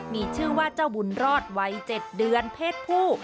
มีชื่อว่าเจ้าบุญรอดวัย๗เดือนเพศผู้